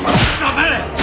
黙れ。